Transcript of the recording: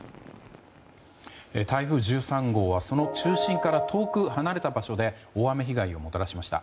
台風１３号はその中心から遠く離れた場所で大雨被害をもたらしました。